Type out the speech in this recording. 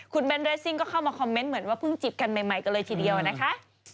คุณเบ้นเรสซิ่งก็เข้ามาคอมเมนต์เหมือนว่าเพิ่งจีบกันใหม่กันเลยทีเดียวนะคะ